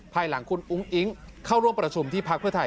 ภายหลังคุณอุ้งอิ๊งเข้าร่วมประชุมที่พักเพื่อไทย